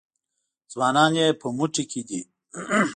ځوانان یې په موټي کې دي.